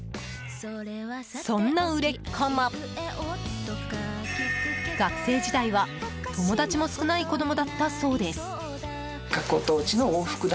そんな売れっ子も、学生時代は友達も少ない子供だったそうです。